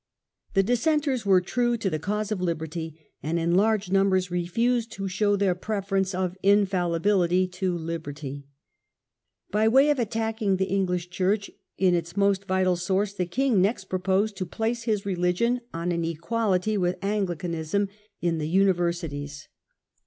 The Dissenters were true to the cause of liberty, and in large numbers refused to show their preference of " in faUibility"to " liberty '\ By way of attacking the English Church in its most vital source the king next proposed to place his religion The Church ou an equality with Anglicanism in the attacked. Universities.